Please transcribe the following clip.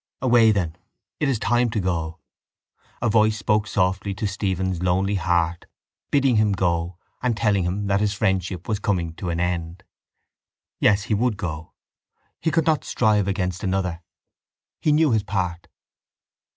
Away then: it is time to go. A voice spoke softly to Stephen's lonely heart, bidding him go and telling him that his friendship was coming to an end. Yes; he would go. He could not strive against another. He knew his part.